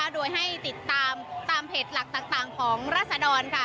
โดยให้ติดตามตามเพจหลักต่างของรัศดร